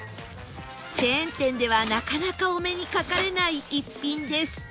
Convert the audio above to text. チェーン店ではなかなかお目にかかれない逸品です